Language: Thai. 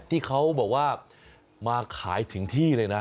ที่เขาบอกว่ามาขายถึงที่เลยนะ